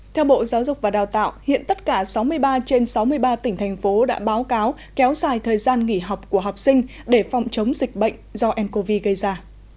theo bộ giáo dục và đào tạo hiện tất cả sáu mươi ba trên sáu mươi ba tỉnh thành phố đã báo cáo kéo dài thời gian nghỉ học của học sinh để phòng chống dịch bệnh do ncov gây ra